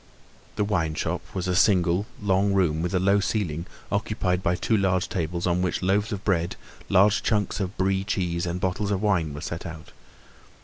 The wine shop was a single, long room with a low ceiling occupied by two large tables on which loaves of bread, large chunks of Brie cheese and bottles of wine were set out.